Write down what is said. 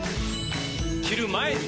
着る前に！